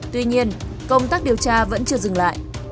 tuy nhiên công tác điều tra vẫn chưa dừng lại